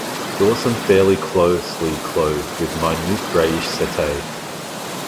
Dorsum fairly closely clothed with minute greyish setae.